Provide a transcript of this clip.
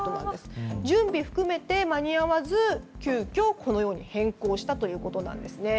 準備含めて間に合わず、急きょこのように変更したということで。